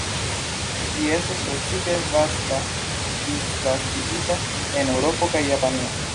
Ĝi estas precipe vasta disvastigita en Eŭropo kaj Japanio.